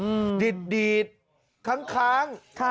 ดีดดีดค้างค้างค่ะ